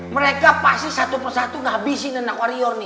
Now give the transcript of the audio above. mereka pasti satu persatu ngabisin anak warior nih